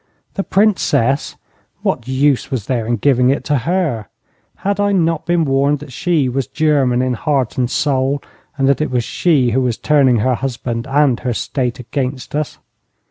The Princess! What use was there in giving it to her? Had I not been warned that she was German in heart and soul, and that it was she who was turning her husband and her State against us?